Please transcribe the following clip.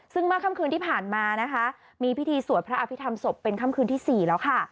ซึ่งมาคำคืนที่ผ่านมามีพิธีสวดพระอภิษฐรรมศพเป็นคำคืนที่๔แล้ว